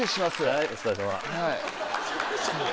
はいお疲れさま。